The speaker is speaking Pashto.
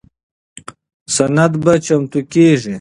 سند به چمتو کیږي.